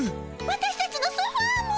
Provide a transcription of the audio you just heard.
私たちのソファーも！